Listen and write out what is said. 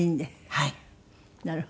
はい。